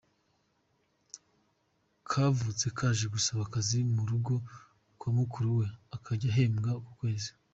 Kavutse yaje gusaba akazi mu rugo kwa mukuru we, akajya ahembwa ku kwezi.